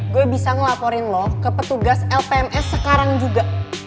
gue bisa ngelaporin loh ke petugas lpms sekarang juga